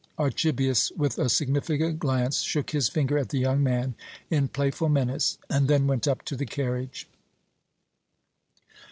Archibius, with a significant glance, shook his finger at the young man in playful menace, and then went up to the carriage.